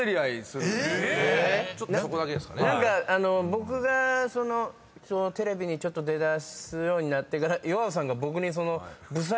何か僕がテレビにちょっと出だすようになってから岩尾さんが僕に。